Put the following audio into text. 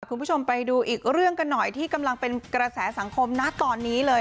คุณผู้ชมไปดูอีกเรื่องกันหน่อยที่กำลังเป็นกระแสสังคมนะตอนนี้เลย